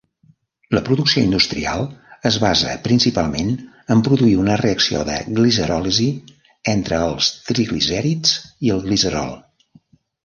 La producció industrial es basa principalment en produir una reacció de glicerlòlisi entre els triglicèrids i el glicerol.